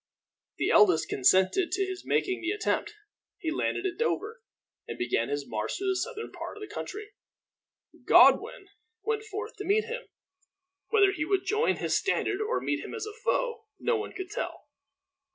The eldest consented to his making the attempt. He landed at Dover, and began his march through the southern part of the country. Godwin went forth to meet him. Whether he would join his standard or meet him as a foe, no one could tell.